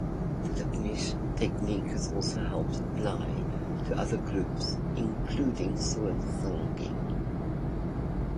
The technique has also been applied to other groups including soil fungi.